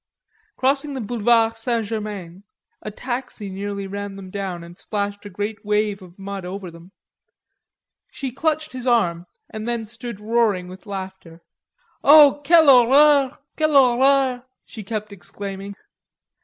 Crossing the Boulevard St. Germain, a taxi nearly ran them down and splashed a great wave of mud over them. She clutched his arm and then stood roaring with laughter. "O quelle horreur! Quelle horreur!" she kept exclaiming.